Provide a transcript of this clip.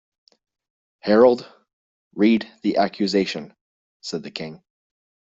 ‘Herald, read the accusation!’ said the King.